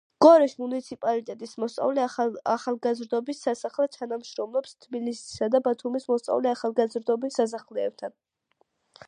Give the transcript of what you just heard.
გორის მუნიციპალიტეტის მოსწავლე ახალგაზრდობის სასახლე თანამშრომლობს თბილისისა და ბათუმის მოსწავლე ახალგაზრდობის სასახლეებთან.